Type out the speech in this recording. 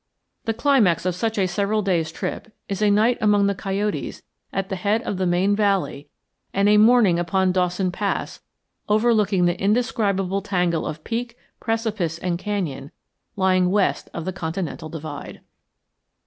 The climax of such a several days' trip is a night among the coyotes at the head of the main valley and a morning upon Dawson Pass overlooking the indescribable tangle of peak, precipice, and canyon lying west of the continental divide.